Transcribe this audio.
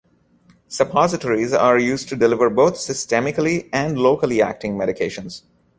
Suppositories are used to deliver both systemically and locally acting medications.